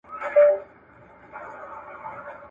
دغه پُل به د هغه زلمي په ښه وي.